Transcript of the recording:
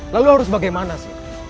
lalu harus bagaimana sir